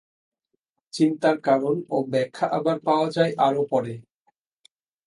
চিন্তার কারণ ও ব্যাখ্যা আবার পাওয়া যায় আরও পরে।